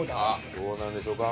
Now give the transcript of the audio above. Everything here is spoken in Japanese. どうなんでしょうか？